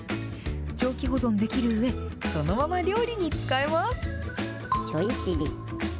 長期保存できるうえ、そのまま料理に使えます。